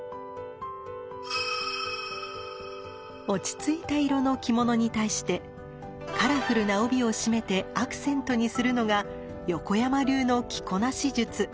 落ち着いた色の着物に対してカラフルな帯を締めてアクセントにするのが横山流の着こなし術。